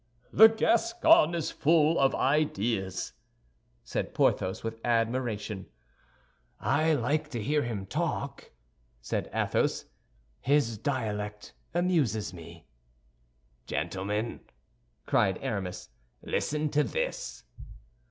"The Gascon is full of ideas," said Porthos, with admiration. "I like to hear him talk," said Athos; "his dialect amuses me." "Gentlemen," cried Aramis, "listen to this."